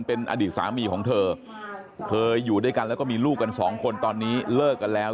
เป็นอดีตสามีของเธอเคยอยู่ด้วยกันแล้วก็มีลูกกันสองคนตอนนี้เลิกกันแล้ว